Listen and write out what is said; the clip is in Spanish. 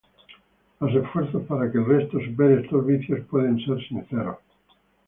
Los esfuerzos para que el resto supere estos vicios puede ser sincero.